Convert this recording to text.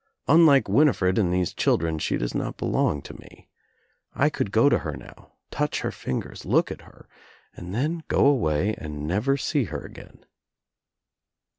"Unlike Winifred and these children she does not belong to me. I could go to her now, touch her fingers, look at her and then go away and never see her again."